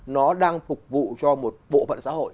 nó đang phục vụ cho một bộ phận xã hội